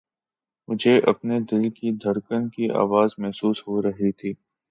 مجھے اپنے دل کی دھڑکن کی آواز محسوس ہو رہی تھی